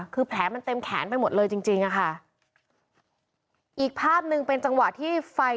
คือแผลมันเต็มแขนไปหมดเลยจริงจริงอะค่ะอีกภาพหนึ่งเป็นจังหวะที่ไฟ